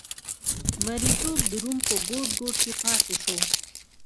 مریتوب د روم په ګوټ ګوټ کې پاتې شو.